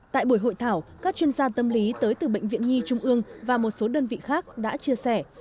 tại buổi hội thảo các chuyên gia tâm lý tới từ bệnh viện nhi trung ương và một số đơn vị khác đã chia sẻ